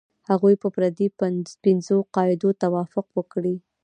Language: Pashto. هغوی به پر دې پنځو قاعدو توافق وکړي.